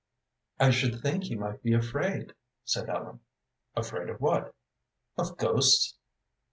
"I should think he might be afraid," said Ellen. "Afraid of what?" "Of ghosts."